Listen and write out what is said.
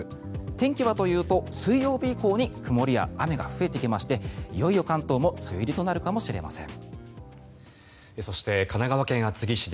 天気はというと水曜日以降に曇りや雨が増えてきましていよいよ関東も梅雨入りとなるかもしれません。